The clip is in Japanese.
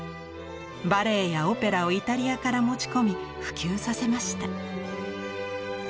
バレエやオペラをイタリアから持ち込み普及させました。